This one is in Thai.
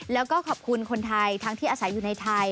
แล้วก็ขอบคุณคนไทยทั้งที่อาศัยอยู่ในไทย